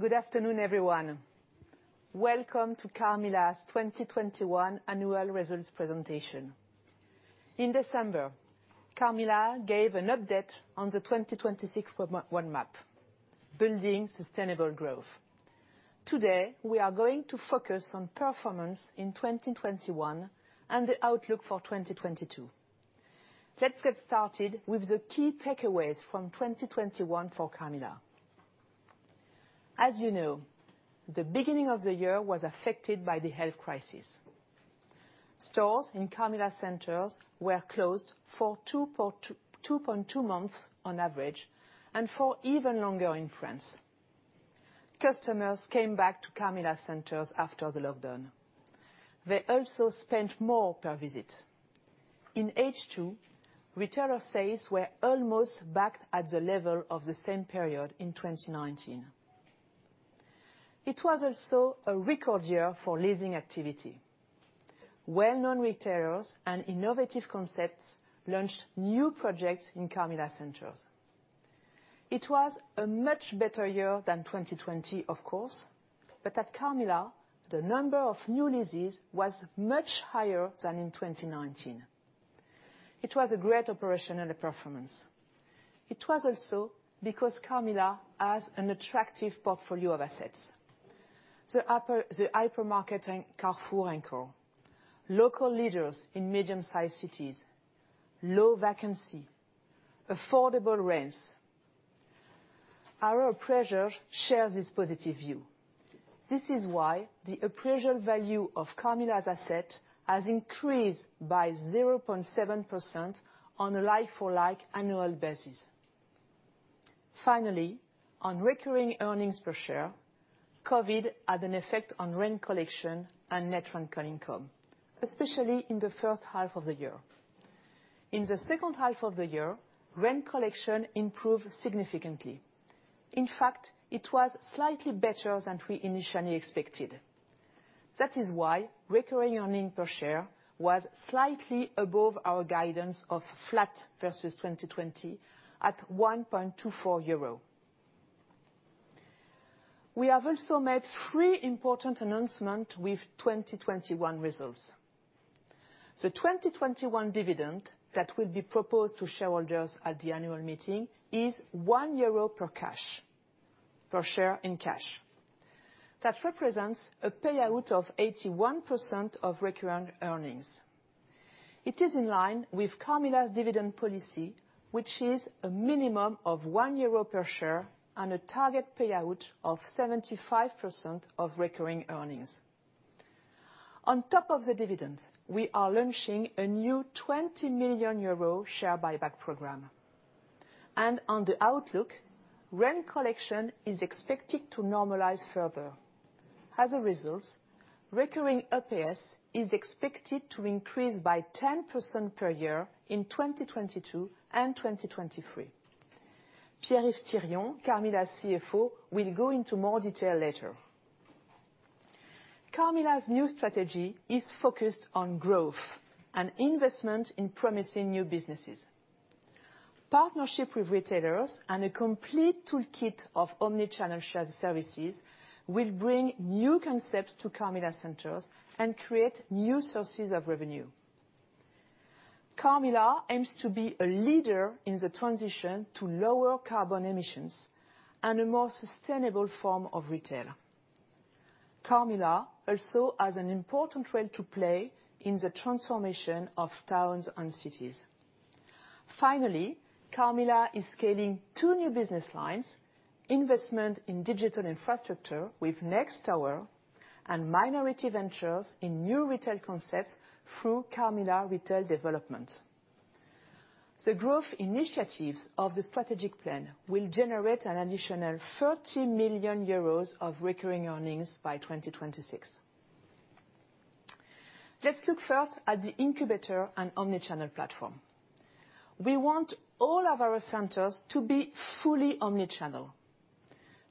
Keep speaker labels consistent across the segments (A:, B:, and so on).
A: Good afternoon, everyone. Welcome to Carmila's 2021 annual results presentation. In December, Carmila gave an update on the 2026 map, building sustainable growth. Today, we are going to focus on performance in 2021, and the outlook for 2022. Let's get started with the key takeaways from 2021 for Carmila. As you know, the beginning of the year was affected by the health crisis. Stores in Carmila centers were closed for 2.2 months on average, and for even longer in France. Customers came back to Carmila centers after the lockdown. They also spent more per visit. In H2, retailer sales were almost back at the level of the same period in 2019. It was also a record year for leasing activity. Well-known retailers and innovative concepts launched new projects in Carmila centers. It was a much better year than 2020, of course, but at Carmila, the number of new leases was much higher than in 2019. It was a great operational performance. It was also because Carmila has an attractive portfolio of assets: the offer, the hypermarket and Carrefour anchor, local leaders in medium-sized cities, low vacancy, affordable rents. Our appraisers share this positive view. This is why the appraisal value of Carmila's assets has increased by 0.7% on a like-for-like annual basis. Finally, on recurring earnings per share, COVID had an effect on rent collection and net rental income, especially in the first half of the year. In the second half of the year, rent collection improved significantly. In fact, it was slightly better than we initially expected. That is why recurring earnings per share was slightly above our guidance of flat versus 2020 at 1.24 euro. We have also made three important announcements with 2021 results. The 2021 dividend that will be proposed to shareholders at the annual meeting is 1 euro per share in cash. That represents a payout of 81% of recurring earnings. It is in line with Carmila's dividend policy, which is a minimum of 1 euro per share and a target payout of 75% of recurring earnings. On top of the dividends, we are launching a new 20 million euro share buyback program. On the outlook, rent collection is expected to normalize further. As a result, recurring EPS is expected to increase by 10% per year in 2022 and 2023. Pierre-Yves Thirion, Carmila's CFO, will go into more detail later. Carmila's new strategy is focused on growth and investment in promising new businesses. Partnership with retailers and a complete toolkit of omni-channel services will bring new concepts to Carmila centers and create new sources of revenue. Carmila aims to be a leader in the transition to lower carbon emissions and a more sustainable form of retail. Carmila also has an important role to play in the transformation of towns and cities. Finally, Carmila is scaling two new business lines, investment in digital infrastructure with NextTower, and minority ventures in new retail concepts through Carmila Retail Development. The growth initiatives of the strategic plan will generate an additional 30 million euros of recurring earnings by 2026. Let's look first at the incubator and omni-channel platform. We want all of our centers to be fully omni-channel.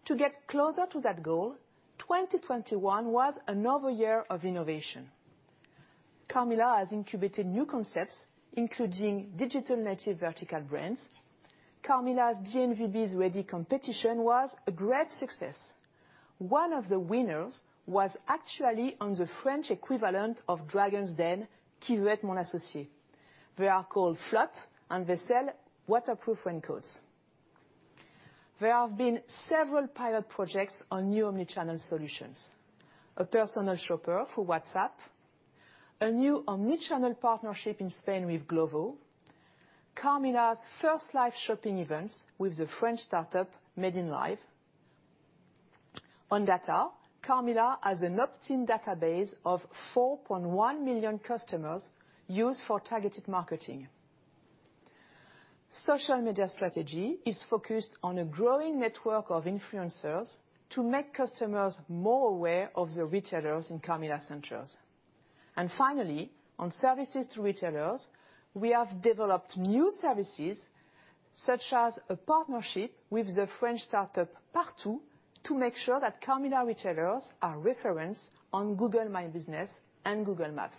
A: To get closer to that goal, 2021 was another year of innovation. Carmila has incubated new concepts, including digital native vertical brands. Carmila's DNVB Ready competition was a great success. One of the winners was actually on the French equivalent of Dragon's Den, Qui veut être mon associé?. They are called Flotte, and they sell waterproof raincoats. There have been several pilot projects on new omni-channel solutions, a personal shopper for WhatsApp, a new omni-channel partnership in Spain with Glovo, Carmila's first live shopping events with the French startup Made in Live. On data, Carmila has an opt-in database of 4.1 million customers used for targeted marketing. Social media strategy is focused on a growing network of influencers to make customers more aware of the retailers in Carmila centers. Finally, on services to retailers, we have developed new services such as a partnership with the French startup Partoo to make sure that Carmila retailers are referenced on Google My Business and Google Maps.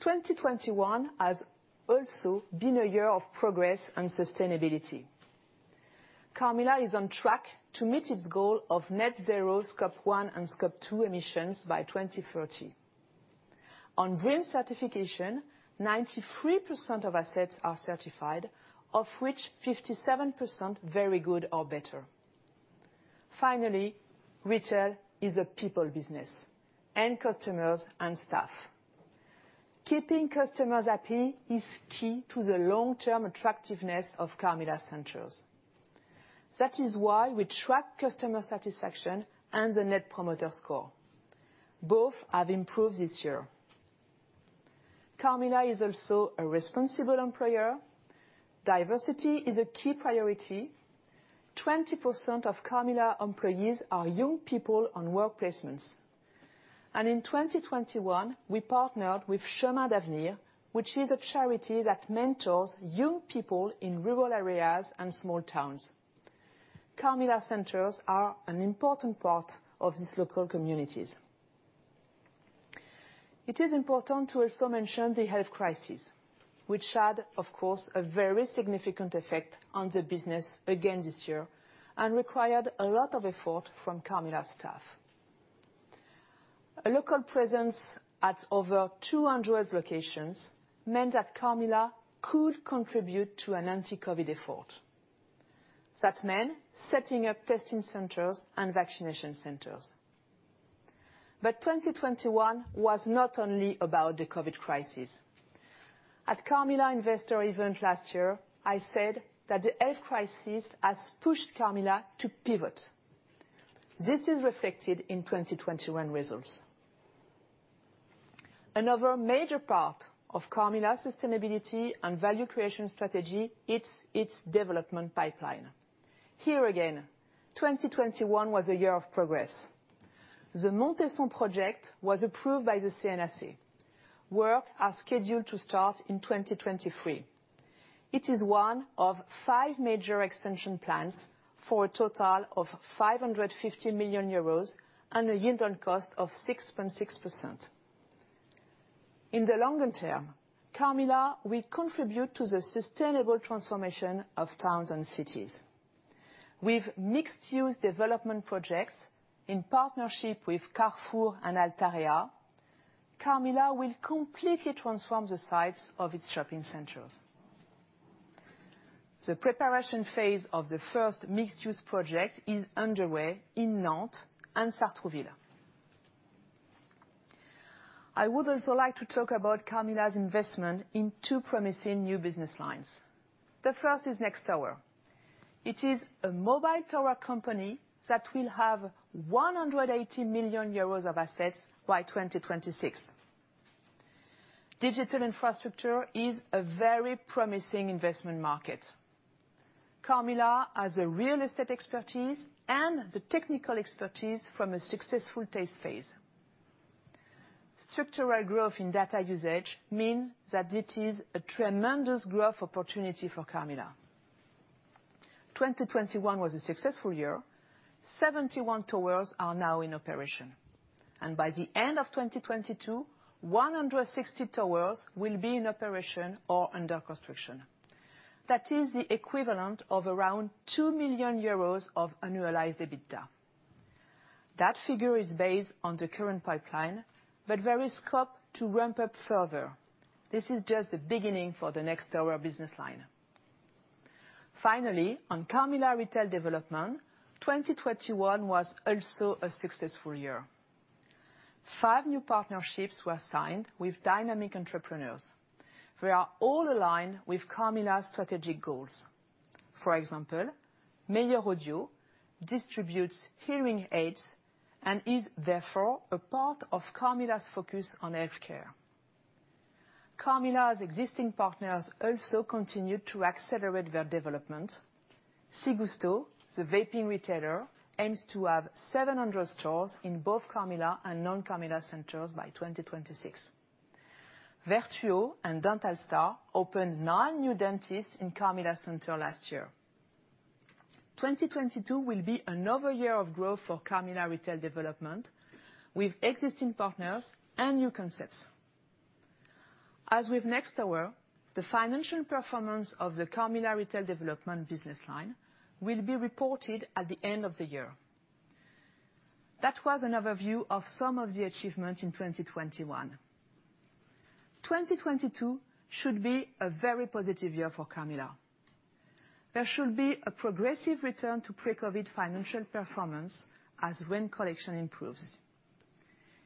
A: 2021 has also been a year of progress and sustainability. Carmila is on track to meet its goal of net zero Scope 1 and Scope 2 emissions by 2030. On BREEAM certification, 93% of assets are certified, of which 57% very good or better. Finally, retail is a people business, end customers and staff. Keeping customers happy is key to the long-term attractiveness of Carmila centers. That is why we track customer satisfaction and the Net Promoter Score. Both have improved this year. Carmila is also a responsible employer. Diversity is a key priority. 20% of Carmila employees are young people on work placements. In 2021, we partnered with Chemins d'Avenirs, which is a charity that mentors young people in rural areas and small towns. Carmila centers are an important part of these local communities. It is important to also mention the health crisis, which had, of course, a very significant effect on the business again this year and required a lot of effort from Carmila staff. A local presence at over 200 locations meant that Carmila could contribute to an anti-COVID effort. That meant setting up testing centers and vaccination centers. 2021 was not only about the COVID crisis. At Carmila investor event last year, I said that the health crisis has pushed Carmila to pivot. This is reflected in 2021 results. Another major part of Carmila's sustainability and value creation strategy, its development pipeline. Here again, 2021 was a year of progress. The Montesson project was approved by the CNCC. Works are scheduled to start in 2023. It is one of 5 major extension plans for a total of 550 million euros and a yield on cost of 6.6%. In the longer term, Carmila will contribute to the sustainable transformation of towns and cities. With mixed-use development projects in partnership with Carrefour and Altarea, Carmila will completely transform the sites of its shopping centers. The preparation phase of the first mixed-use project is underway in Nantes and Sartrouville. I would also like to talk about Carmila's investment in two promising new business lines. The first is NextTower. It is a mobile tower company that will have 180 million euros of assets by 2026. Digital infrastructure is a very promising investment market. Carmila has the real estate expertise and the technical expertise from a successful test phase. Structural growth in data usage mean that it is a tremendous growth opportunity for Carmila. 2021 was a successful year. 71 towers are now in operation, and by the end of 2022, 160 towers will be in operation or under construction. That is the equivalent of around 2 million euros of annualized EBITDA. That figure is based on the current pipeline, but there is scope to ramp up further. This is just the beginning for the NextTower business line. Finally, on Carmila Retail Development, 2021 was also a successful year. Five new partnerships were signed with dynamic entrepreneurs. They are all aligned with Carmila's strategic goals. For example, Meilleur Audio distributes hearing aids and is therefore a part of Carmila's focus on healthcare. Carmila's existing partners also continued to accelerate their development. Cigusto, the vaping retailer, aims to have 700 stores in both Carmila and non-Carmila centers by 2026. Vertuo and DentalStar opened nine new dentists in Carmila center last year. 2022 will be another year of growth for Carmila Retail Development with existing partners and new concepts. As with NextTower, the financial performance of the Carmila Retail Development business line will be reported at the end of the year. That was an overview of some of the achievements in 2021. 2022 should be a very positive year for Carmila. There should be a progressive return to pre-COVID financial performance as rent collection improves.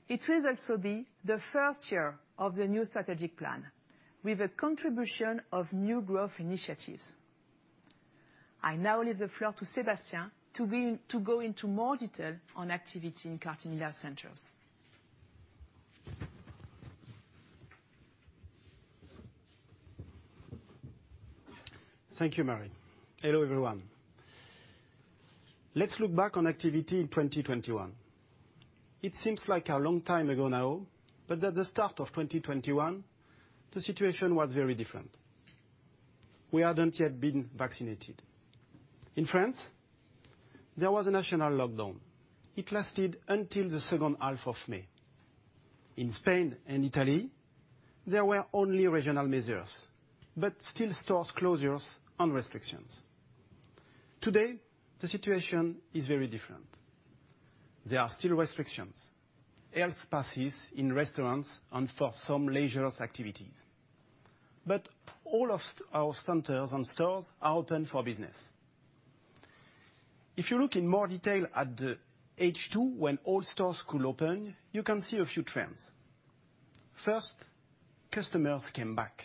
A: It will also be the first year of the new strategic plan with the contribution of new growth initiatives. I now leave the floor to Sébastien to go into more detail on activity in Carmila centers.
B: Thank you, Marie. Hello, everyone. Let's look back on activity in 2021. It seems like a long time ago now, but at the start of 2021, the situation was very different. We hadn't yet been vaccinated. In France, there was a national lockdown. It lasted until the second half of May. In Spain and Italy, there were only regional measures, but still store closures and restrictions. Today, the situation is very different. There are still restrictions, health passes in restaurants and for some leisure activities. But all of our centers and stores are open for business. If you look in more detail at the H2 when all stores could open, you can see a few trends. First, customers came back.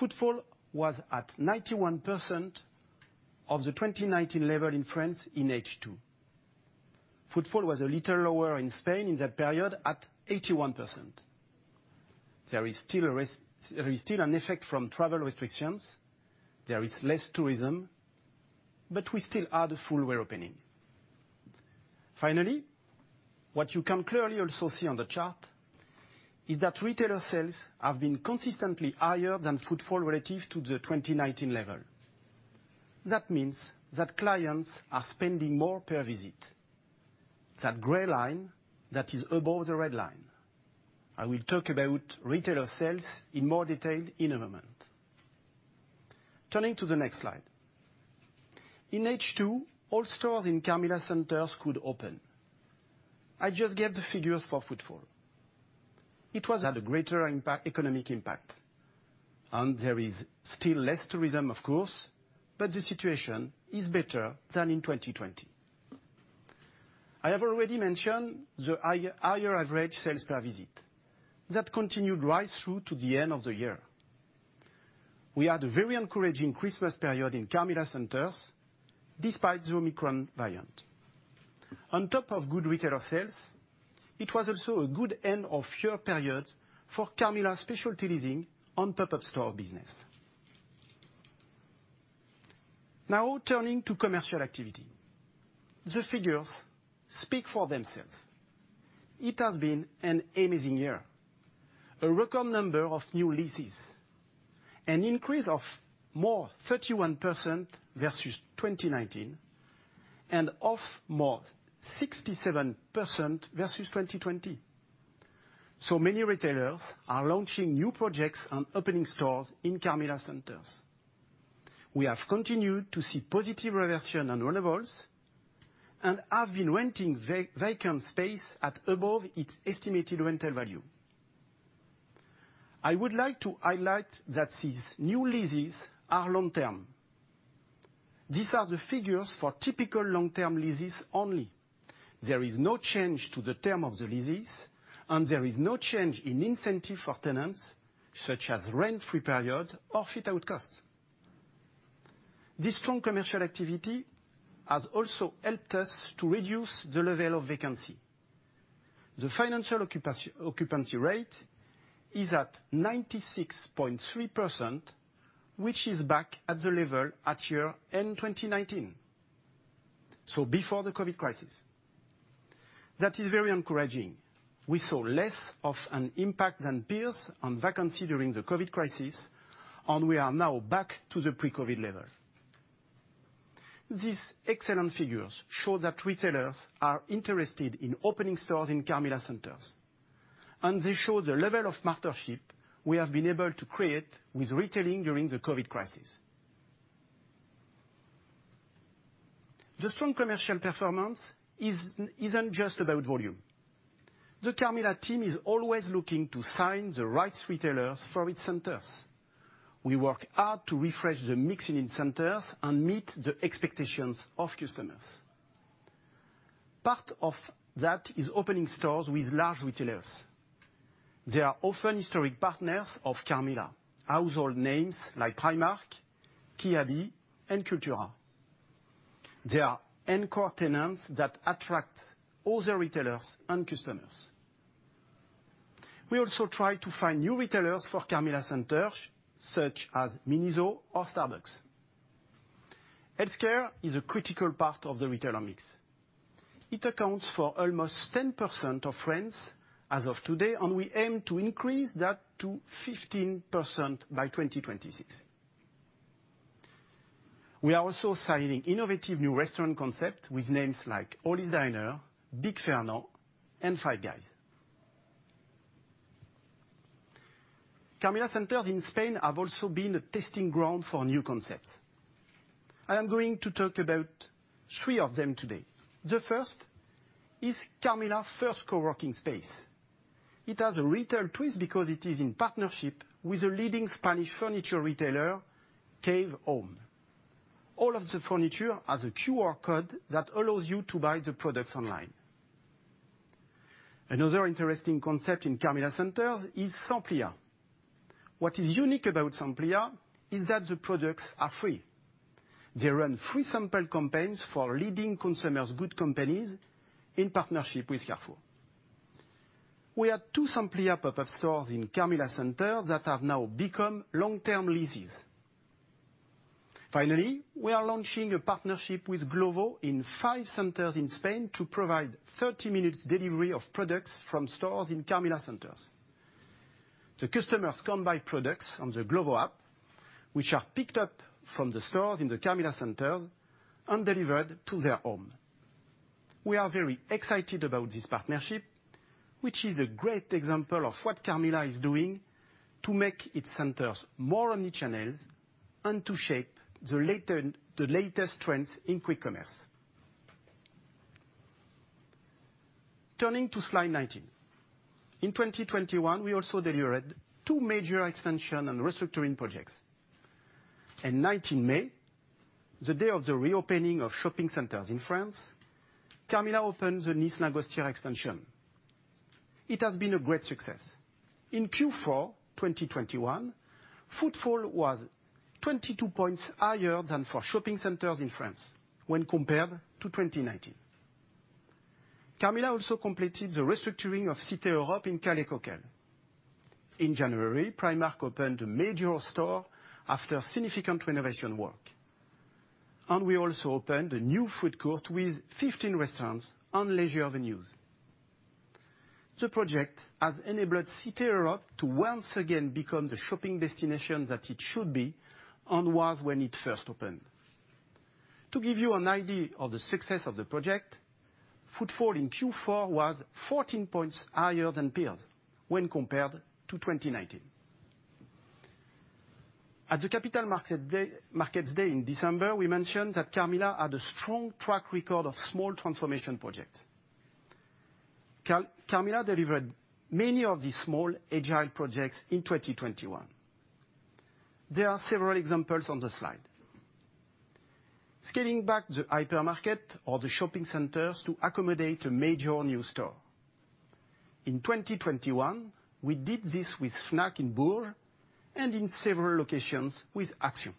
B: Footfall was at 91% of the 2019 level in France in H2. Footfall was a little lower in Spain in that period at 81%. There is still an effect from travel restrictions. There is less tourism, but we still had a full reopening. Finally, what you can clearly also see on the chart is that retailer sales have been consistently higher than footfall relative to the 2019 level. That means that clients are spending more per visit. That gray line that is above the red line. I will talk about retailer sales in more detail in a moment. Turning to the next slide. In H2, all stores in Carmila centers could open. I just gave the figures for footfall. It was a greater economic impact, and there is still less tourism of course, but the situation is better than in 2020. I have already mentioned the higher average sales per visit. That continued right through to the end of the year. We had a very encouraging Christmas period in Carmila centers despite the Omicron variant. On top of good retailer sales, it was also a good end of year period for Carmila Specialty Leasing and pop-up store business. Now turning to commercial activity. The figures speak for themselves. It has been an amazing year. A record number of new leases. An increase of more 31% versus 2019, and of more 67% versus 2020. So many retailers are launching new projects and opening stores in Carmila centers. We have continued to see positive reversion and renewals, and have been renting vacant space at above its estimated rental value. I would like to highlight that these new leases are long-term. These are the figures for typical long-term leases only. There is no change to the term of the leases, and there is no change in incentive for tenants, such as rent-free periods or fit-out costs. This strong commercial activity has also helped us to reduce the level of vacancy. The financial occupancy rate is at 96.3%, which is back at the level at year-end 2019, so before the COVID crisis. That is very encouraging. We saw less of an impact than peers on vacancy during the COVID crisis, and we are now back to the pre-COVID level. These excellent figures show that retailers are interested in opening stores in Carmila centers, and they show the level of partnership we have been able to create with retailing during the COVID crisis. The strong commercial performance isn't just about volume. The Carmila team is always looking to sign the right retailers for its centers. We work hard to refresh the mix in centers and meet the expectations of customers. Part of that is opening stores with large retailers. They are often historic partners of Carmila, household names like Primark, Kiabi, and Cultura. They are anchor tenants that attract other retailers and customers. We also try to find new retailers for Carmila centers, such as MINISO or Starbucks. Healthcare is a critical part of the retailer mix. It accounts for almost 10% in France as of today, and we aim to increase that to 15% by 2026. We are also signing innovative new restaurant concepts with names like Holly's Diner, Big Fernand, and Five Guys. Carmila centers in Spain have also been a testing ground for new concepts. I am going to talk about three of them today. The first is Carmila's first co-working space. It has a retail twist because it is in partnership with a leading Spanish furniture retailer, Kave Home. All of the furniture has a QR code that allows you to buy the products online. Another interesting concept in Carmila centers is Samplia. What is unique about Samplia is that the products are free. They run free sample campaigns for leading consumer goods companies in partnership with Carrefour. We had 2 Samplia pop-up stores in Carmila centers that have now become long-term leases. Finally, we are launching a partnership with Glovo in 5 centers in Spain to provide 30 minutes delivery of products from stores in Carmila centers. The customers can buy products on the Glovo app, which are picked up from the stores in the Carmila centers and delivered to their home. We are very excited about this partnership, which is a great example of what Carmila is doing to make its centers more omnichannel and to shape the latest trends in quick commerce. Turning to slide 19. In 2021, we also delivered 2 major extension and restructuring projects. On May 19, the day of the reopening of shopping centers in France, Carmila opened the Nice Lingostière extension. It has been a great success. In Q4 2021, footfall was 22 points higher than for shopping centers in France when compared to 2019. Carmila also completed the restructuring of Cité Europe in Coquelles. In January, Primark opened a major store after significant renovation work, and we also opened a new food court with 15 restaurants and leisure avenues. The project has enabled Cité Europe to once again become the shopping destination that it should be and was when it first opened. To give you an idea of the success of the project, footfall in Q4 was 14 points higher than peers when compared to 2019. At the capital markets day in December, we mentioned that Carmila had a strong track record of small transformation projects. Carmila delivered many of these small, agile projects in 2021. There are several examples on the slide. Scaling back the hypermarket or the shopping centers to accommodate a major new store. In 2021, we did this with Fnac in Bourg and in several locations with Action.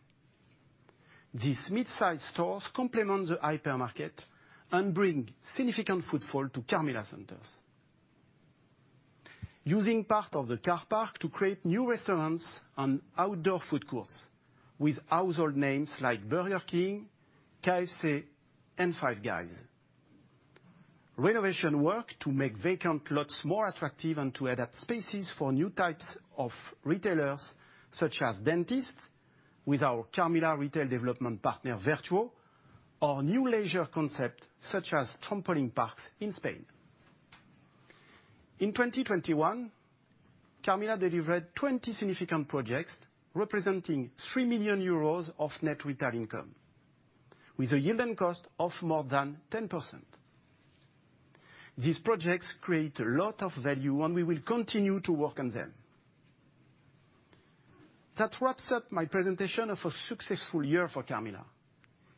B: These mid-size stores complement the hypermarket and bring significant footfall to Carmila centers. Using part of the car park to create new restaurants and outdoor food courts with household names like Burger King, KFC, and Five Guys. Renovation work to make vacant lots more attractive and to adapt spaces for new types of retailers such as dentists with our Carmila Retail Development partner, Vertuo, or new leisure concept such as trampoline parks in Spain. In 2021, Carmila delivered 20 significant projects representing 3 million euros of net retail income with a yield and cost of more than 10%. These projects create a lot of value, and we will continue to work on them. That wraps up my presentation of a successful year for Carmila.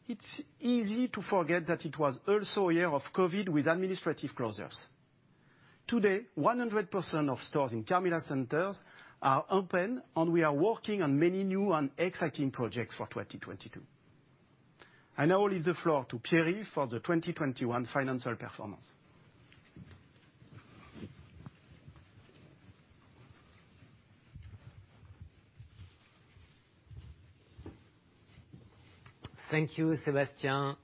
B: It's easy to forget that it was also a year of COVID with administrative closures. Today, 100% of stores in Carmila centers are open, and we are working on many new and exciting projects for 2022. I now leave the floor to Pierre for the 2021 financial performance.
C: Thank you, Sébastien.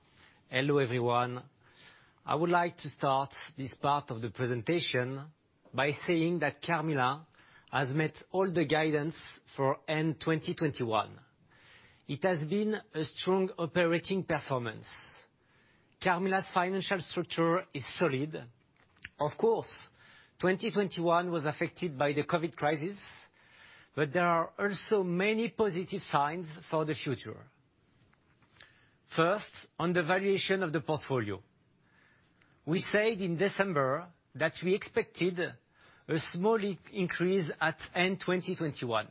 C: Hello, everyone. I would like to start this part of the presentation by saying that Carmila has met all the guidance for end 2021. It has been a strong operating performance. Carmila's financial structure is solid. Of course, 2021 was affected by the COVID crisis, but there are also many positive signs for the future. First, on the valuation of the portfolio. We said in December that we expected a small increase at end 2021.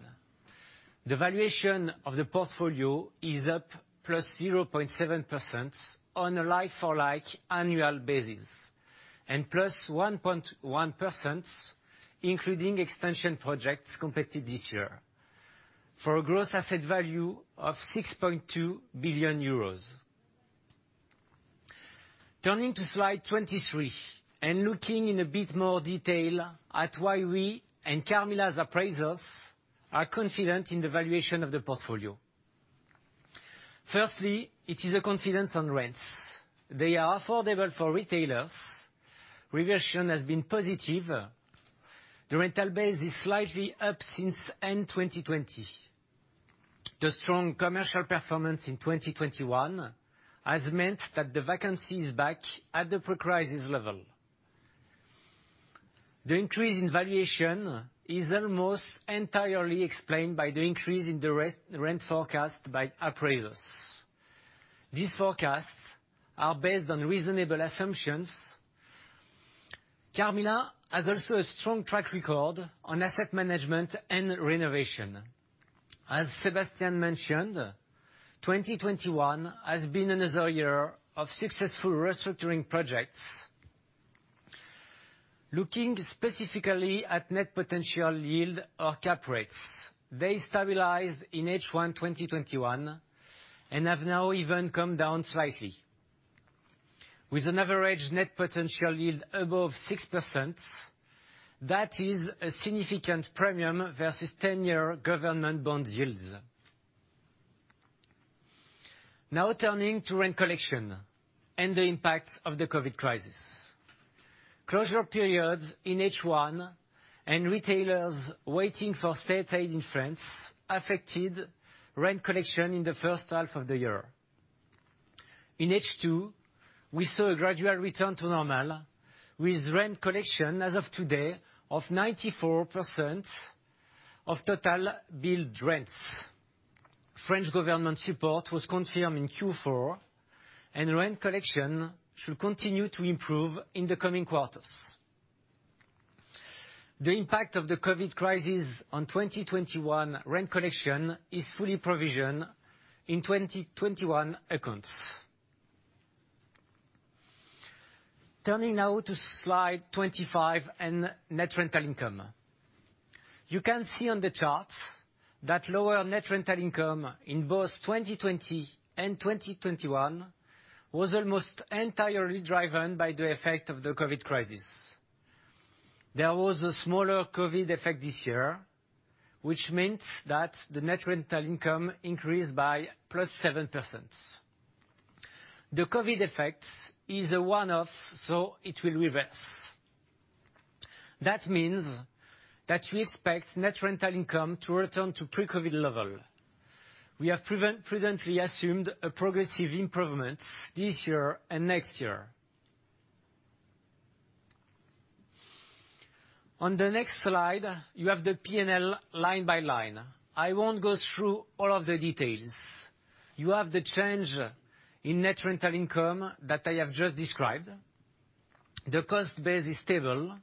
C: The valuation of the portfolio is up +0.7% on a like-for-like annual basis, and +1.1% including extension projects completed this year for a gross asset value of 6.2 billion euros. Turning to slide 23, and looking in a bit more detail at why we and Carmila's appraisers are confident in the valuation of the portfolio. Firstly, it is a confidence on rents. They are affordable for retailers. Reversion has been positive. The rental base is slightly up since end 2020. The strong commercial performance in 2021 has meant that the vacancy is back at the pre-crisis level. The increase in valuation is almost entirely explained by the increase in the re-rent forecast by appraisers. These forecasts are based on reasonable assumptions. Carmila has also a strong track record on asset management and renovation. As Sébastien mentioned, 2021 has been another year of successful restructuring projects. Looking specifically at net potential yield or cap rates, they stabilized in H1 2021 and have now even come down slightly. With an average net potential yield above 6%, that is a significant premium versus 10-year government bond yields. Now turning to rent collection and the impact of the COVID crisis. Closure periods in H1 and retailers waiting for state aid in France affected rent collection in the first half of the year. In H2, we saw a gradual return to normal, with rent collection as of today of 94% of total billed rents. French government support was confirmed in Q4, and rent collection should continue to improve in the coming quarters. The impact of the COVID crisis on 2021 rent collection is fully provisioned in 2021 accounts. Turning now to slide 25 and net rental income. You can see on the charts that lower net rental income in both 2020 and 2021 was almost entirely driven by the effect of the COVID crisis. There was a smaller COVID effect this year, which means that the net rental income increased by +7%. The COVID effect is a one-off, so it will reverse. That means that we expect net rental income to return to pre-COVID level. We have presently assumed a progressive improvement this year and next year. On the next slide, you have the P&L line by line. I won't go through all of the details. You have the change in net rental income that I have just described. The cost base is stable.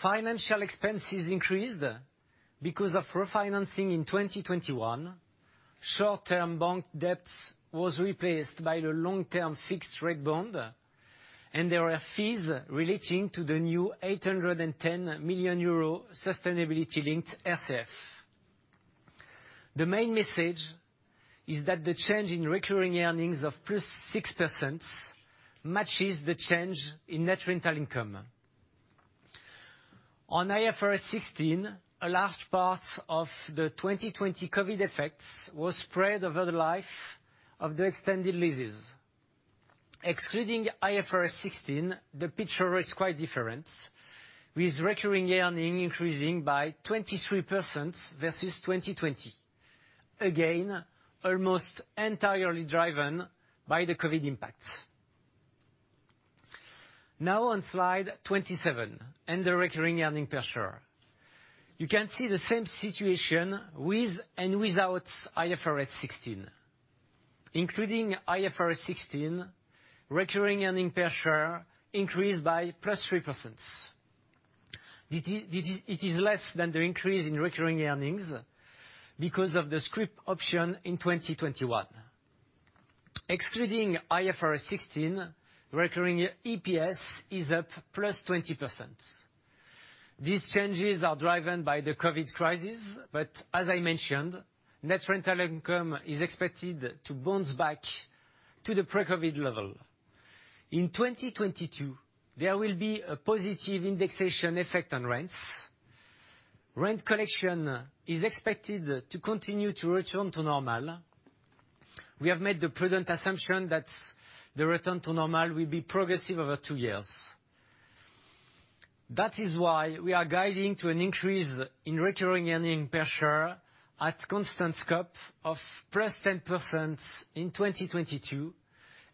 C: Financial expenses increased because of refinancing in 2021. Short-term bank debts was replaced by the long-term fixed rate bond, and there are fees relating to the new 810 million euro sustainability-linked RCF. The main message is that the change in recurring earnings of +6% matches the change in net rental income. On IFRS 16, a large part of the 2020 COVID effects was spread over the life of the extended leases. Excluding IFRS 16, the picture is quite different, with recurring earnings increasing by 23% versus 2020. Again, almost entirely driven by the COVID impact. Now on slide 27 and the recurring earnings per share. You can see the same situation with and without IFRS 16. Including IFRS 16, recurring earnings per share increased by +3%. It is less than the increase in recurring earnings because of the scrip option in 2021. Excluding IFRS 16, recurring EPS is up +20%. These changes are driven by the COVID crisis, but as I mentioned, net rental income is expected to bounce back to the pre-COVID level. In 2022, there will be a positive indexation effect on rents. Rent collection is expected to continue to return to normal. We have made the prudent assumption that the return to normal will be progressive over two years. That is why we are guiding to an increase in recurring earnings per share at constant scope of +10% in 2022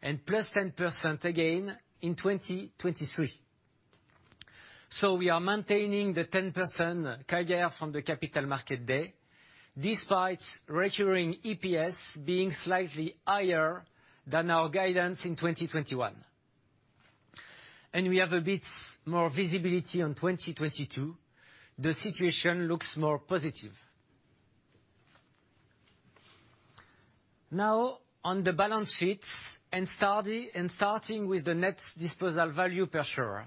C: and +10% again in 2023. We are maintaining the 10% CAGR from the Capital Markets Day, despite recurring EPS being slightly higher than our guidance in 2021. We have a bit more visibility on 2022. The situation looks more positive. Now on the balance sheet and starting with the net asset value per share.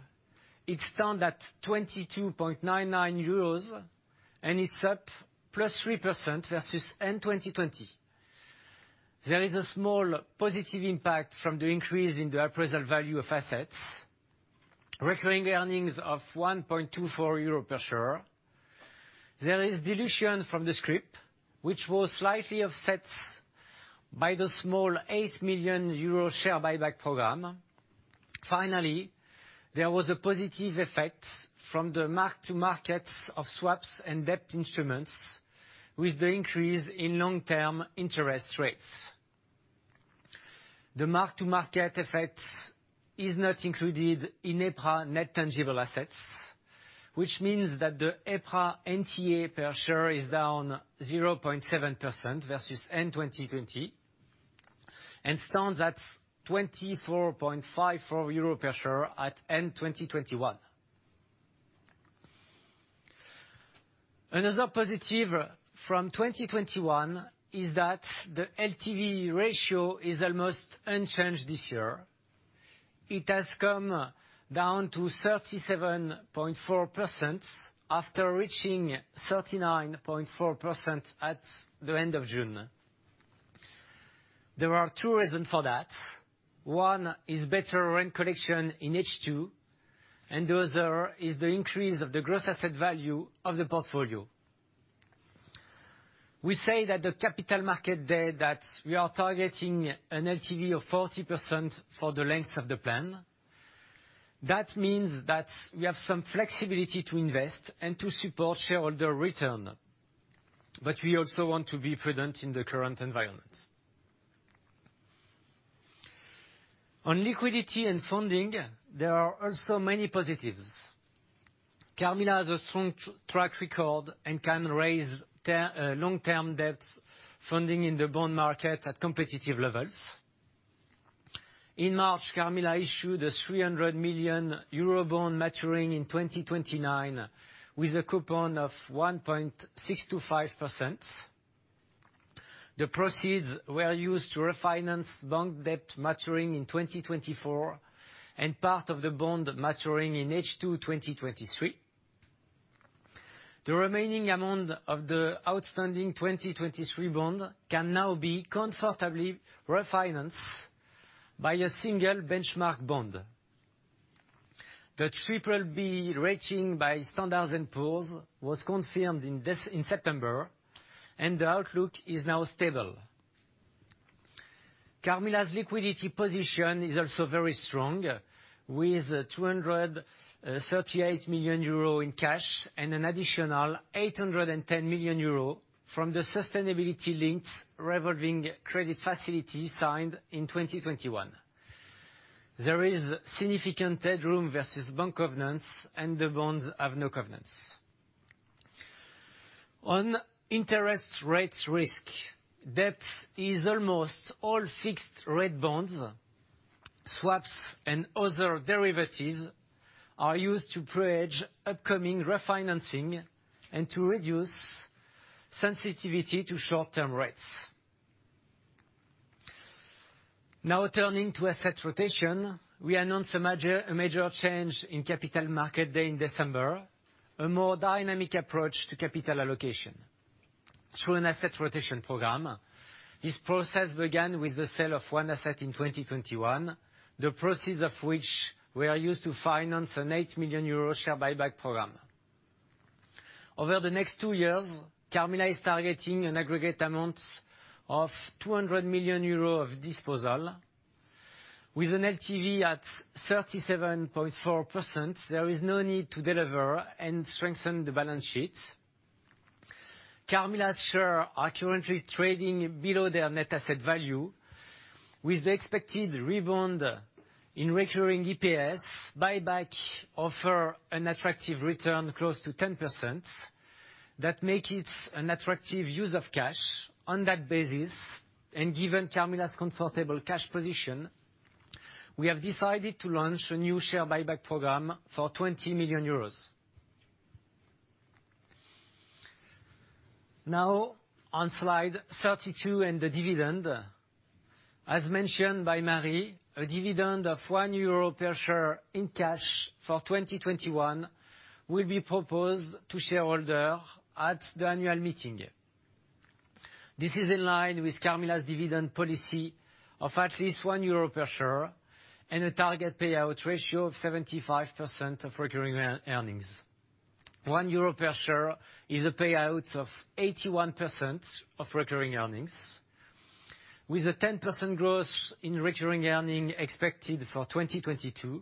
C: It stands at 22.99 euros, and it's up +3% versus end 2020. There is a small positive impact from the increase in the appraisal value of assets. Recurring earnings of 1.24 euro per share. There is dilution from the scrip, which was slightly offset by the small 8 million euro share buyback program. Finally, there was a positive effect from the mark to market of swaps and debt instruments with the increase in long-term interest rates. The mark-to-market effect is not included in EPRA net tangible assets, which means that the EPRA NTA per share is down 0.7% versus end 2020 and stands at 24.54 euro per share at end 2021. Another positive from 2021 is that the LTV ratio is almost unchanged this year. It has come down to 37.4% after reaching 39.4% at the end of June. There are two reasons for that. One is better rent collection in H2, and the other is the increase of the gross asset value of the portfolio. We said at the Capital Markets Day that we are targeting an LTV of 40% for the length of the plan. That means that we have some flexibility to invest and to support shareholder return. We also want to be prudent in the current environment. On liquidity and funding, there are also many positives. Carmila has a strong track record and can raise long-term debt funding in the bond market at competitive levels. In March, Carmila issued a 300 million euro bond maturing in 2029, with a coupon of 1.625%. The proceeds were used to refinance bond debt maturing in 2024 and part of the bond maturing in H2 2023. The remaining amount of the outstanding 2023 bond can now be comfortably refinanced by a single benchmark bond. The BBB rating by Standard & Poor's was confirmed in September, and the outlook is now stable. Carmila's liquidity position is also very strong with 238 million euro in cash and an additional 810 million euro from the sustainability-linked revolving credit facility signed in 2021. There is significant headroom versus bank covenants, and the bonds have no covenants. On interest rates risk, debt is almost all fixed-rate bonds. Swaps and other derivatives are used to pre-hedge upcoming refinancing and to reduce sensitivity to short-term rates. Now turning to asset rotation. We announced a major change in capital market day in December, a more dynamic approach to capital allocation through an asset rotation program. This process began with the sale of one asset in 2021, the proceeds of which were used to finance an 8 million euro share buyback program. Over the next two years, Carmila is targeting an aggregate amount of 200 million euros of disposal. With an LTV at 37.4%, there is no need to delever and strengthen the balance sheet. Carmila's shares are currently trading below their net asset value. With the expected rebound in recurring EPS, buybacks offer an attractive return close to 10% that makes it an attractive use of cash. On that basis, and given Carmila's comfortable cash position, we have decided to launch a new share buyback program for 20 million euros. Now on Slide 32 and the dividend. As mentioned by Marie, a dividend of 1 euro per share in cash for 2021 will be proposed to shareholders at the annual meeting. This is in line with Carmila's dividend policy of at least 1 euro per share and a target payout ratio of 75% of recurring earnings. 1 euro per share is a payout of 81% of recurring earnings. With a 10% growth in recurring earnings expected for 2022,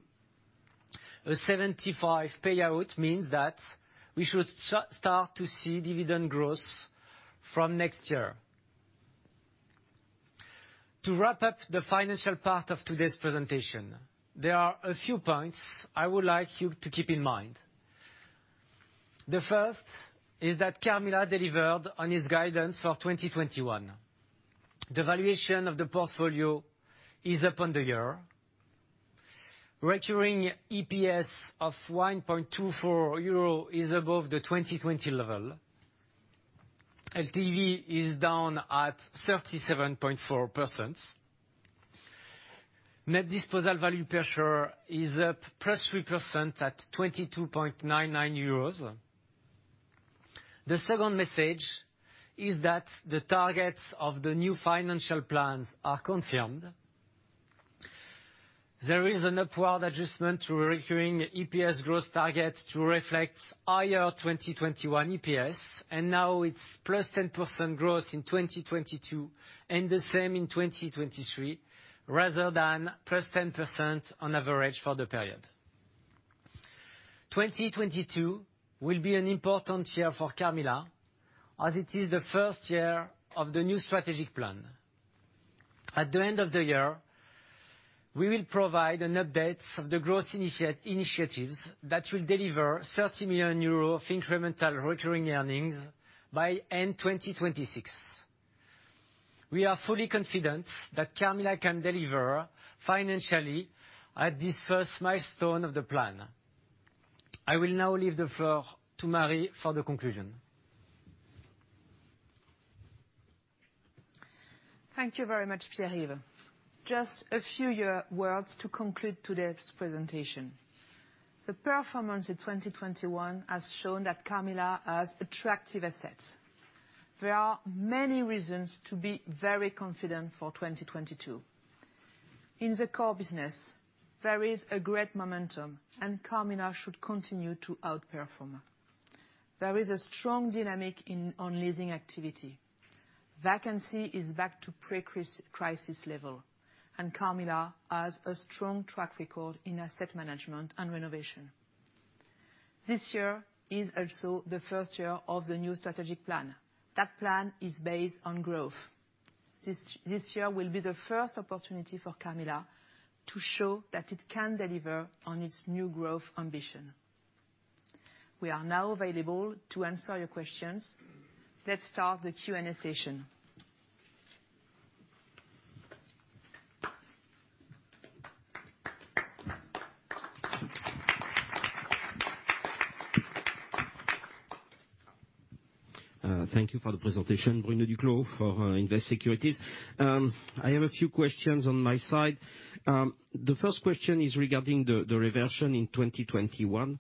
C: a 75% payout means that we should start to see dividend growth from next year. To wrap up the financial part of today's presentation, there are a few points I would like you to keep in mind. The first is that Carmila delivered on its guidance for 2021. The valuation of the portfolio is up on the year. Recurring EPS of 1.24 euro is above the 2020 level. LTV is down at 37.4%. Net disposal value per share is up, +3% at 22.99 euros. The second message is that the targets of the new financial plans are confirmed. There is an upward adjustment to recurring EPS growth target to reflect higher 2021 EPS, and now it's +10% growth in 2022, and the same in 2023, rather than +10% on average for the period. 2022 will be an important year for Carmila, as it is the first year of the new strategic plan. At the end of the year, we will provide an update of the growth initiatives that will deliver 30 million euro of incremental recurring earnings by end 2026. We are fully confident that Carmila can deliver financially at this first milestone of the plan. I will now leave the floor to Marie for the conclusion.
A: Thank you very much, Pierre-Yves. Just a few words to conclude today's presentation. The performance in 2021 has shown that Carmila has attractive assets. There are many reasons to be very confident for 2022. In the core business, there is a great momentum, and Carmila should continue to outperform. There is a strong dynamic in, on leasing activity. Vacancy is back to pre-crisis level, and Carmila has a strong track record in asset management and renovation. This year is also the first year of the new strategic plan. That plan is based on growth. This year will be the first opportunity for Carmila to show that it can deliver on its new growth ambition. We are now available to answer your questions. Let's start the Q&A session.
D: Thank you for the presentation. Bruno Duclos for Invest Securities. I have a few questions on my side. The first question is regarding the reversion in 2021.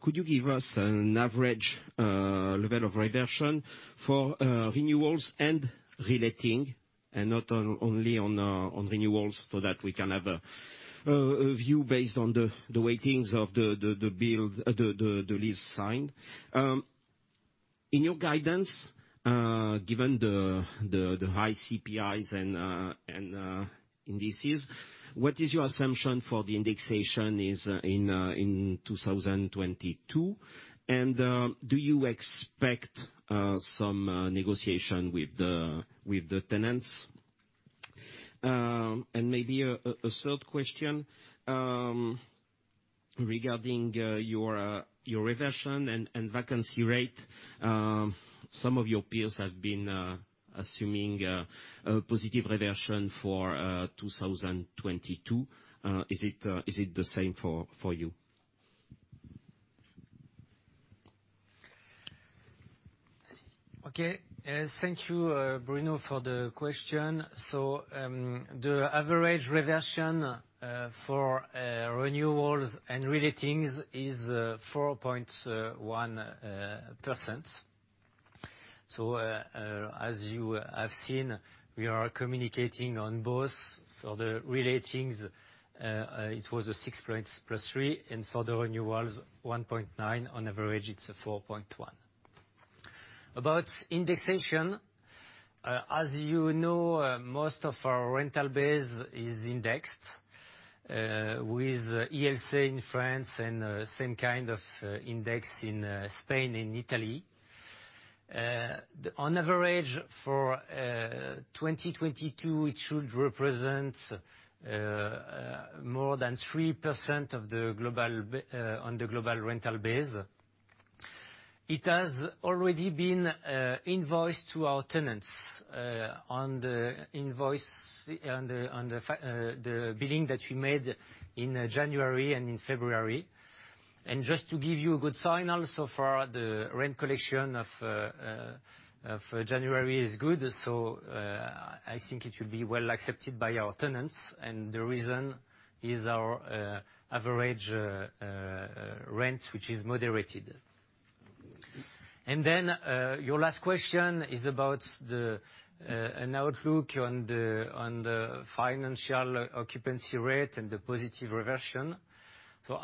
D: Could you give us an average level of reversion for renewals and reletting, and not only on renewals, so that we can have a view based on the weightings of the leases signed? In your guidance, given the high CPIs and indices, what is your assumption for the indexation in 2022, and do you expect some negotiation with the tenants? Maybe a third question regarding your reversion and vacancy rate. Some of your peers have been assuming a positive reversion for 2022. Is it the same for you?
C: Okay. Thank you, Bruno, for the question. The average reversion for renewals and relettings is 4.1%. As you have seen, we are communicating on both. For the relettings, it was 6.3%, and for the renewals, 1.9. On average, it's 4.1. About indexation, as you know, most of our rental base is indexed with ILC in France and same kind of index in Spain and Italy. On average for 2022, it should represent more than 3% of the global rental base. It has already been invoiced to our tenants on the billing that we made in January and in February. Just to give you a good signal, so far, the rent collection of January is good, so I think it will be well accepted by our tenants. The reason is our average rent, which is moderated. Then your last question is about an outlook on the financial occupancy rate and the positive reversion.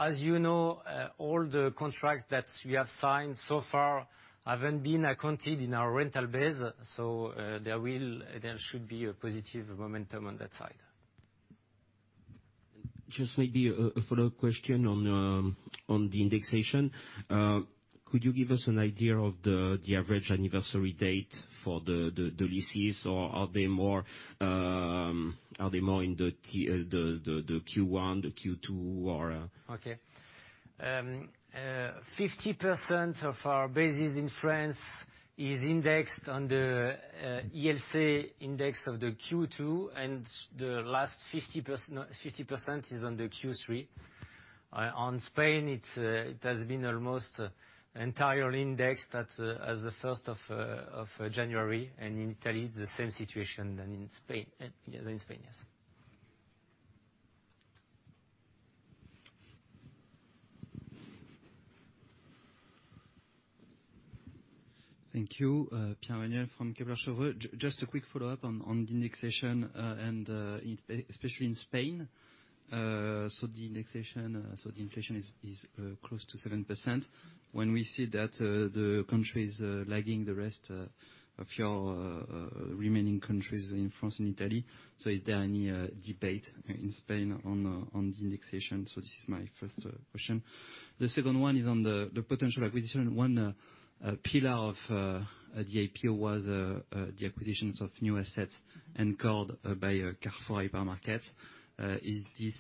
C: As you know, all the contracts that we have signed so far haven't been accounted in our rental base, so there should be a positive momentum on that side.
D: Just maybe a follow question on the indexation. Could you give us an idea of the average anniversary date for the leases, or are they more in the Q1, the Q2, or?
C: Okay. 50% of our bases in France is indexed on the ILC index of the Q2, and the last 50% is on the Q3. In Spain, it has been almost entirely indexed as of 1st of January, and in Italy it's the same situation as in Spain. Yes.
E: Thank you. Pierre Gromnicki from Kepler Cheuvreux. Just a quick follow-up on the indexation and especially in Spain. The indexation, so the inflation is close to 7%. When we see that, the country is lagging the rest of your remaining countries in France and Italy. Is there any debate in Spain on the indexation? This is my first question. The second one is on the potential acquisition. One pillar of the IPO was the acquisitions of new assets anchored by a Carrefour hypermarket. Is this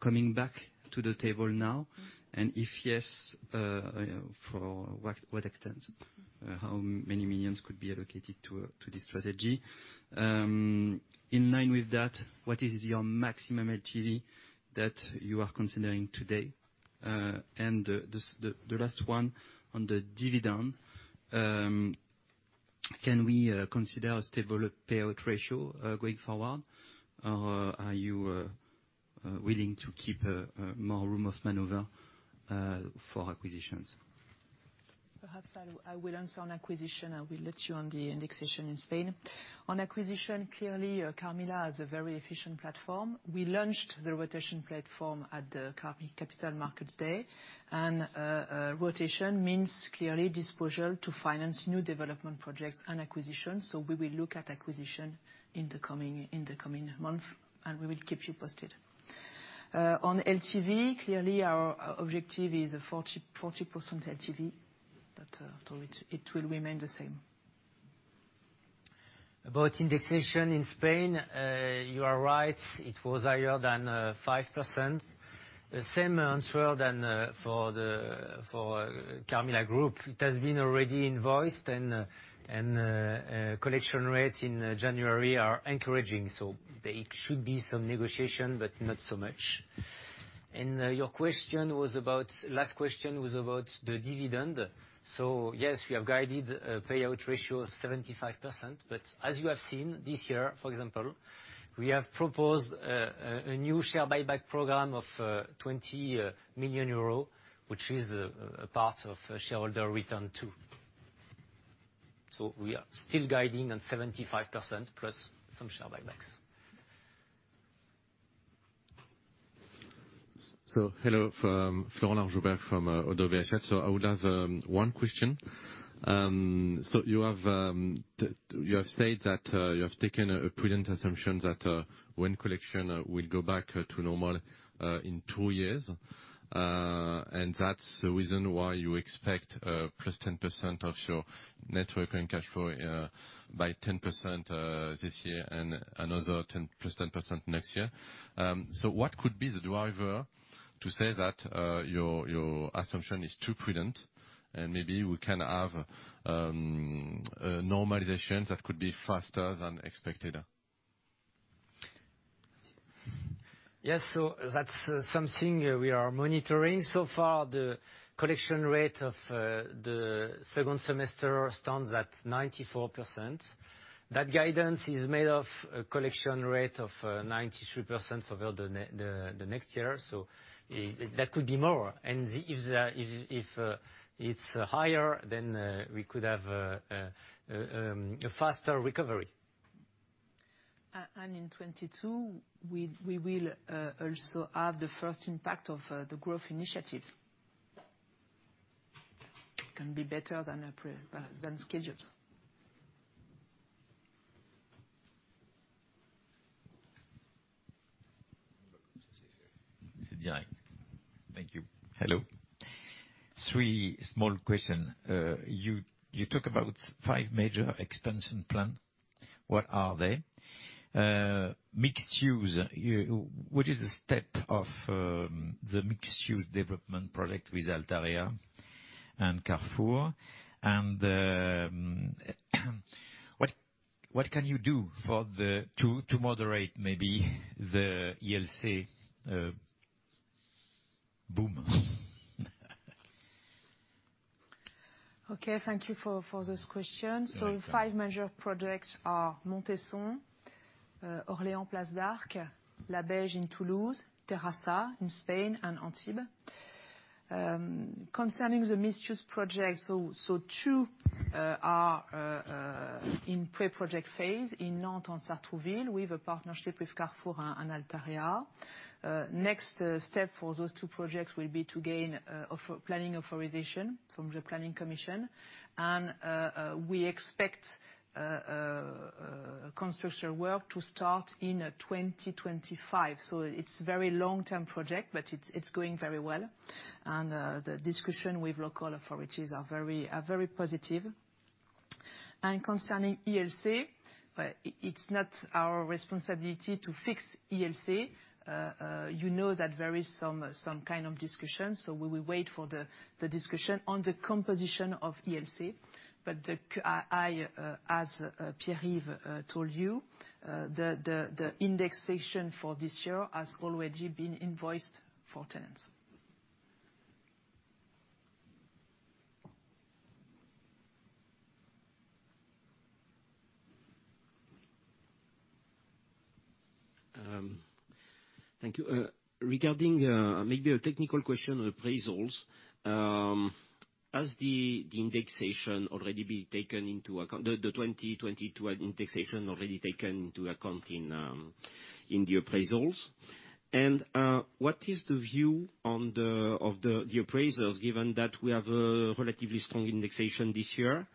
E: coming back to the table now? If yes, you know, for what extent? How many millions could be allocated to this strategy? In line with that, what is your maximum LTV that you are considering today? The last one on the dividend. Can we consider a stable payout ratio going forward? Or are you willing to keep more room for maneuver for acquisitions?
A: Perhaps I will answer on acquisition, I will leave it to you on the indexation in Spain. On acquisition, clearly, Carmila has a very efficient platform. We launched the rotation platform at the capital markets day. Rotation means, clearly, disposal to finance new development projects and acquisitions. We will look at acquisition in the coming month, and we will keep you posted. On LTV, clearly our objective is a 40% LTV, so it will remain the same.
C: About indexation in Spain, you are right, it was higher than 5%. The same answer as for the Carmila Group. It has been already invoiced and collection rates in January are encouraging, so there should be some negotiation, but not so much. Your question was about the dividend. Yes, we have guided a payout ratio of 75%, but as you have seen this year, for example, we have proposed a new share buyback program of 20 million euro, which is a part of shareholder return too. We are still guiding on 75%+ some share buybacks.
F: Hello from Florent Laroche-Joubert from ODDO BHF. I would have one question. You have said that you have taken a prudent assumption that rent collection will go back to normal in two years. That's the reason why you expect +10% of your net working cash flow by 10% this year and another 10 +10% next year. What could be the driver to say that your assumption is too prudent and maybe we can have normalization that could be faster than expected?
C: Yes, that's something we are monitoring. So far, the collection rate of the second semester stands at 94%. That guidance is made of a collection rate of 93% over the next year. That could be more. If it's higher, then we could have a faster recovery.
A: In 2022, we will also have the first impact of the growth initiative. Can be better than schedules.
F: Cédric.
G: Thank you. Hello. Three small questions. You talk about five major expansion plans. What are they? What is the step of the mixed use development project with Altarea and Carrefour? What can you do to moderate the ILC boom?
A: Okay. Thank you for this question.
G: You're welcome.
A: Five major projects are Montesson, Orléans Place d'Arc, Labège in Toulouse, Terrassa in Spain, and Antibes. Concerning the mixed-use project, two are in pre-project phase in Nantes and Sartrouville with a partnership with Carrefour and Altarea. Next step for those two projects will be to obtain planning authorization from the planning commission. We expect construction work to start in 2025. It's a very long-term project, but it's going very well. The discussion with local authorities are very positive. Concerning ILC, it's not our responsibility to fix ILC. You know that there is some kind of discussion, so we will wait for the discussion on the composition of ILC. I, as Pierre-Yves told you, the indexation for this year has already been invoiced for tenants.
G: Thank you. Regarding maybe a technical question on appraisals, has the 2022 indexation already taken into account in the appraisals? What is the view of the appraisers, given that we have a relatively strong indexation this year?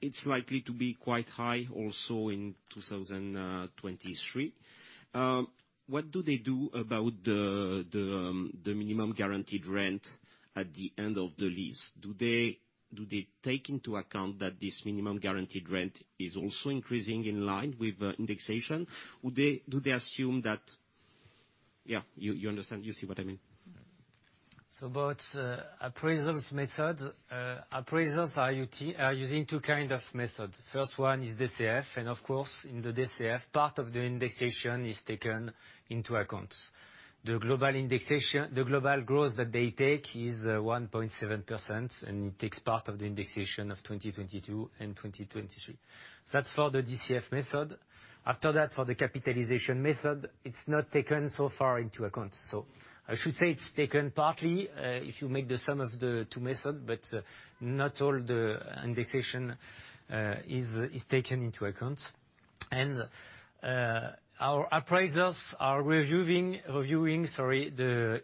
G: It's likely to be quite high also in 2023. What do they do about the minimum guaranteed rent at the end of the lease? Do they take into account that this minimum guaranteed rent is also increasing in line with indexation? Would they assume that? Yeah, you understand, you see what I mean?
C: Both appraisal methods, appraisers are using two kinds of methods. First one is DCF and of course in the DCF, part of the indexation is taken into account. The global indexation, the global growth that they take is 1.7%, and it takes part of the indexation of 2022 and 2023. That's for the DCF method. After that, for the capitalization method, it's not taken so far into account. I should say it's taken partly, if you make the sum of the two methods, but not all the indexation is taken into account. Our appraisers are reviewing the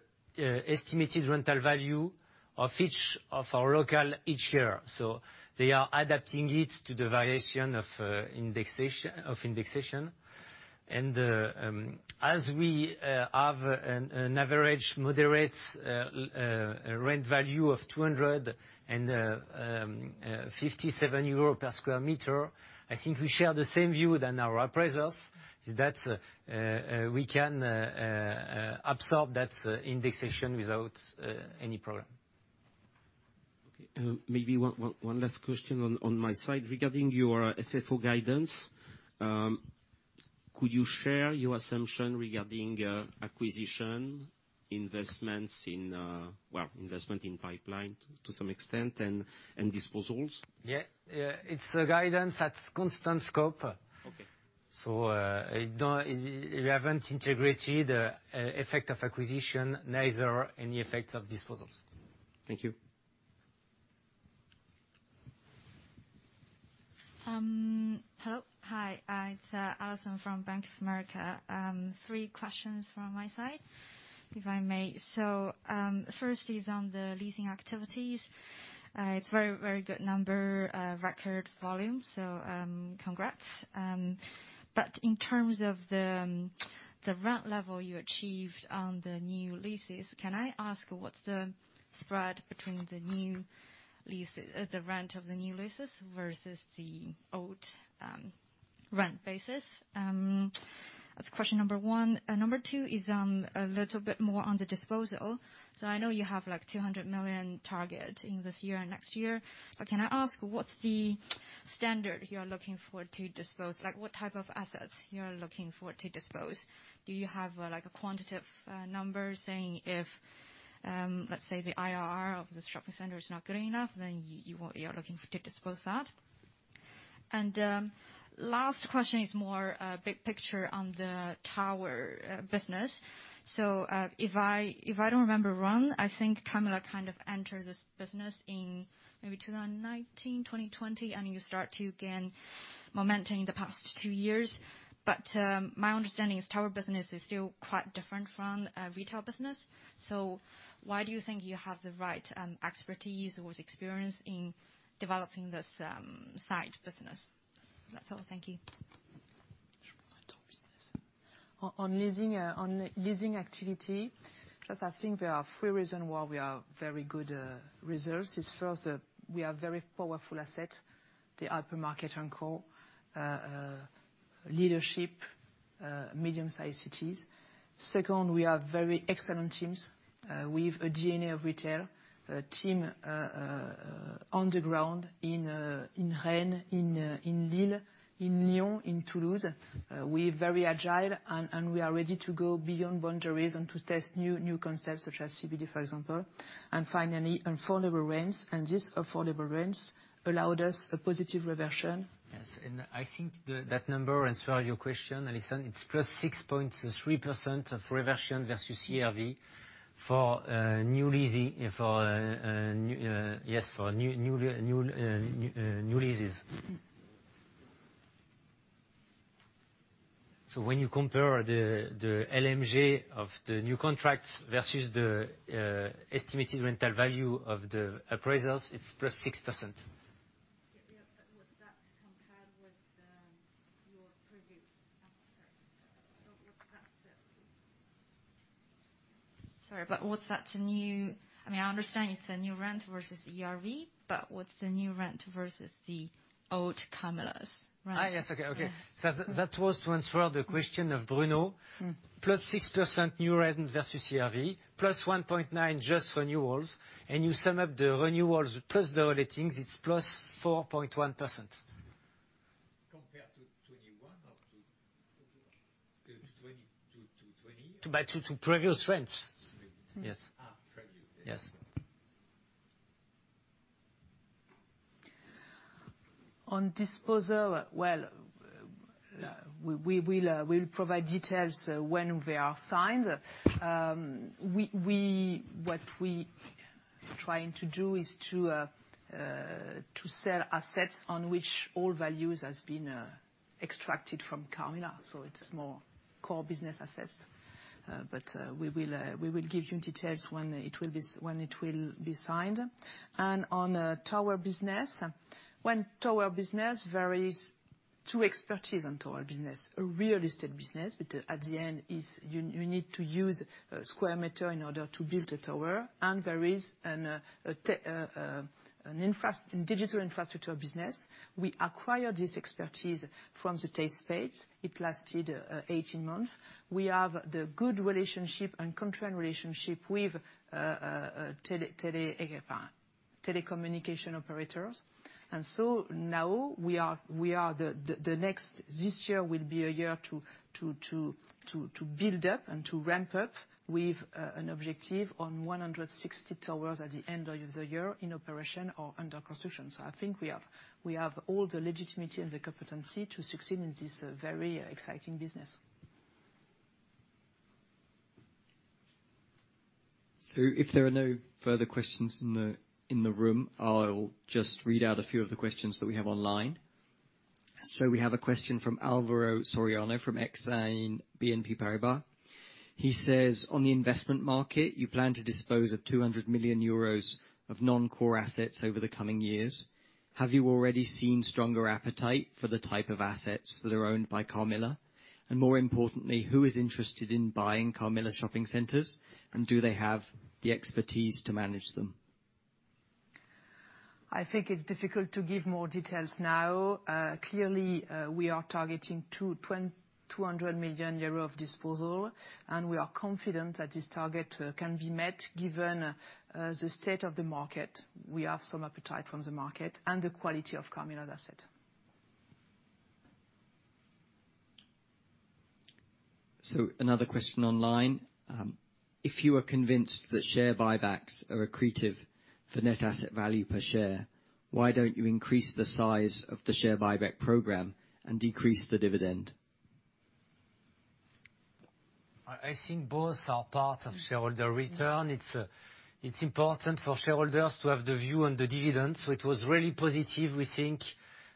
C: estimated rental value of each of our locals each year. They are adapting it to the variation of indexation. As we have an average moderate rent value of 257 euros per sq m, I think we share the same view as our appraisers. That we can absorb that indexation without any problem.
G: Okay. Maybe one last question on my side. Regarding your FFO guidance, could you share your assumption regarding acquisition investments, well, investment in pipeline to some extent and disposals?
C: Yeah. It's a guidance at constant scope.
G: Okay.
C: It hasn't integrated effect of acquisition, neither any effect of disposals.
G: Thank you.
H: Hello. Hi, it's Allison from Bank of America. Three questions from my side, if I may. First is on the leasing activities. It's very, very good number, record volume, so congrats. In terms of the rent level you achieved on the new leases, can I ask what's the spread between the new leases, the rent of the new leases versus the old rent basis? That's question number one. Number two is on a little bit more on the disposal. I know you have, like, 200 million target in this year and next year. Can I ask what's the standard you're looking for to dispose? Like what type of assets you're looking for to dispose? Do you have, like a quantitative number saying if, let's say the IRR of this shopping center is not good enough, then you are looking to dispose of that? Last question is more big picture on the tower business. If I don't remember wrong, I think Carmila kind of entered this business in maybe 2019, 2020, and you start to gain momentum in the past two years. My understanding is tower business is still quite different from retail business. Why do you think you have the right expertise or experience in developing this side business? That's all. Thank you.
A: On leasing activity, just I think there are three reasons why we have very good results. First, we have a very powerful asset, the hypermarket anchor leadership in medium-sized cities. Second, we have very excellent teams. We have a DNA of retail team on the ground in Rennes, in Lille, in Lyon, in Toulouse. We're very agile and we are ready to go beyond boundaries and to test new concepts such as CBD, for example. Finally, affordable rents. These affordable rents allowed us a positive reversion.
C: Yes, I think that number, to answer your question, Allison, it's +6.3% of reversion versus ERV for new leasing, yes, for new leases. When you compare the LMG of the new contracts versus the estimated rental value of the appraisers, it's +6%.
H: Was that compared with your previous asset? I mean, I understand it's a new rent versus ERV, but what's the new rent versus the old Carmila's rent?
C: Yes. Okay.
H: Yeah.
C: That was to answer the question of Bruno. +6% new rent versus ERV, +1.9 just renewals, and you sum up the renewals plus the relettings, it's +4.1%. Compared to 2021 or to 2020? To previous rents. Yes.
G: Previous.
C: Yes.
A: On disposal, we will provide details when they are signed. What we trying to do is to sell assets on which all values has been extracted from Carmila, so it's more core business assets. We will give you details when it will be signed. On tower business, we have two expertise on tower business. A real estate business, but at the end you need to use square meter in order to build a tower. There is a digital infrastructure business. We acquire this expertise from the test phase. It lasted 18 months. We have the good relationship and contractual relationship with Telxius. Telecommunication operators. This year will be a year to build up and to ramp up with an objective on 160 towers at the end of the year in operation or under construction. I think we have all the legitimacy and the competency to succeed in this very exciting business.
I: If there are no further questions in the room, I'll just read out a few of the questions that we have online. We have a question from Álvaro Soriano, from Exane BNP Paribas. He says, "On the investment market, you plan to dispose of 200 million euros of non-core assets over the coming years. Have you already seen stronger appetite for the type of assets that are owned by Carmila? And more importantly, who is interested in buying Carmila shopping centers, and do they have the expertise to manage them?
A: I think it's difficult to give more details now. Clearly, we are targeting 200 million euros of disposal, and we are confident that this target can be met given the state of the market. We have some appetite from the market and the quality of Carmila assets.
I: Another question online. If you are convinced that share buybacks are accretive for net asset value per share, why don't you increase the size of the share buyback program and decrease the dividend?
C: I think both are part of shareholder return. It's important for shareholders to have the view on the dividends. It was really positive, we think,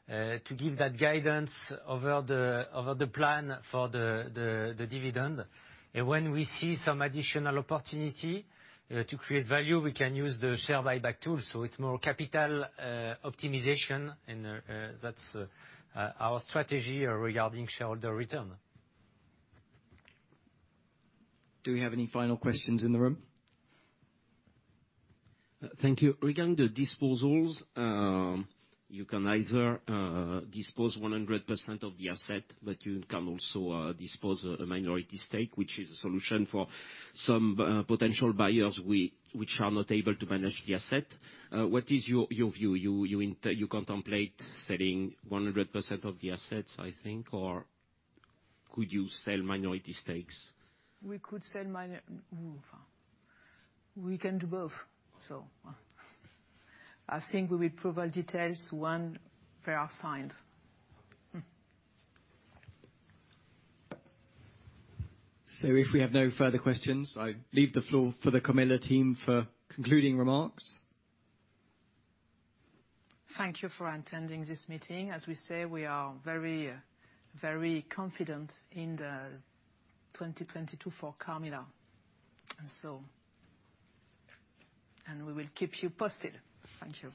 C: to give that guidance over the plan for the dividend. When we see some additional opportunity to create value, we can use the share buyback tool. It's more capital optimization and that's our strategy regarding shareholder return.
I: Do we have any final questions in the room?
D: Thank you. Regarding the disposals, you can either dispose 100% of the asset, but you can also dispose a minority stake, which is a solution for some potential buyers which are not able to manage the asset. What is your view? You contemplate selling 100% of the assets, I think, or could you sell minority stakes?
A: We can do both, so. I think we will provide details when there are signs.
I: If we have no further questions, I leave the floor for the Carmila team for concluding remarks.
A: Thank you for attending this meeting. As we said, we are very, very confident in 2022 for Carmila. We will keep you posted. Thank you.